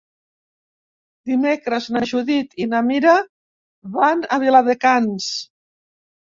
Dimecres na Judit i na Mira van a Viladecans.